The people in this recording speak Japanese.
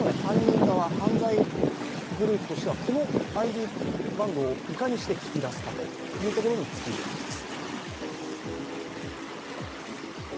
犯罪グループとしてはこのＩＤ番号をいかにして聞きだすかということに尽きるわけです。